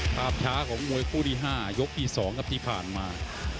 ภาพช้าของมวยคู่ที่๕ยกที่๒ครับที่ผ่านมา